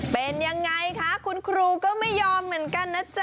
เป็นยังไงคะคุณครูก็ไม่ยอมเหมือนกันนะจ๊